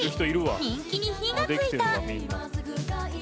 人気に火がついた。